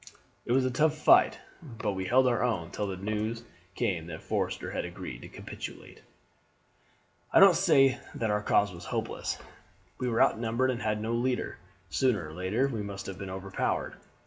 It was a tough fight, but we held our own till the news came that Forster had agreed to capitulate. "I don't say that our case wasn't hopeless. We were outnumbered and had no leader; sooner or later we must have been overpowered.